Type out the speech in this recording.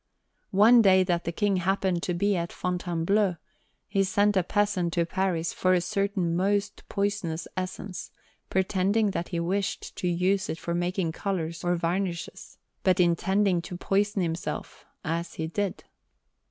One day that the King happened to be at Fontainebleau, he sent a peasant to Paris for a certain most poisonous essence, pretending that he wished to use it for making colours or varnishes, but intending to poison himself, as he did.